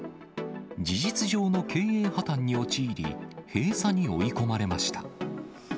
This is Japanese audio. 事実上の経営破綻に陥り、閉鎖に追い込まれました。